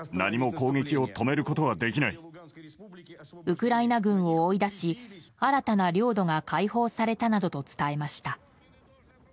ウクライナ軍を追い出し新たな領土が解放されたなどと伝えました。